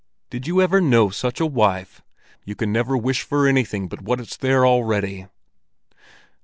"Did you ever know such a wife! You can never wish for anything but what it's there already!"